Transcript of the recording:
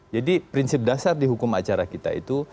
jadi prinsip dasar di hukum acara kita itu